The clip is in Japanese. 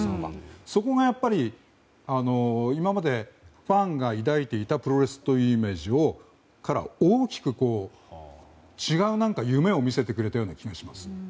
そこが今までファンが抱いていたプロレスというイメージを大きく違う夢を見せてくれたような気がします。